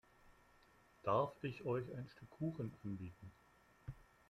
Darf ich euch ein Stück Kuchen anbieten?